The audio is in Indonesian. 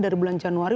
dari bulan januari